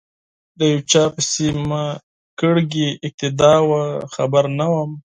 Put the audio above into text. یو چا پسې می کړې اقتدا وه خبر نه وم